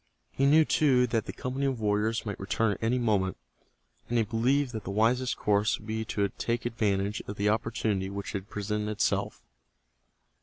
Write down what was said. He knew, too, that the company of warriors might return at any moment, and he believed that the wisest course would be to take advantage of the opportunity which had presented itself.